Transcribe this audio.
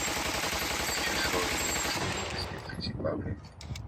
А сейчас слово имеет Постоянный представитель Зимбабве.